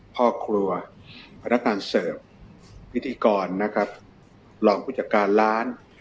พ่อครัวพนักงานเสิร์ฟพิธีกรนะครับรองผู้จัดการร้าน